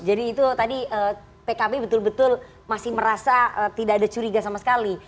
jadi itu tadi pkb betul betul masih merasa tidak ada curiga sama sekali